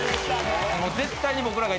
絶対に僕らが。